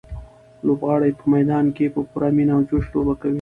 لوبغاړي په میدان کې په پوره مینه او جوش لوبه کوي.